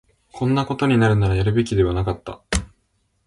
こんなことになるなら、やるべきではなかった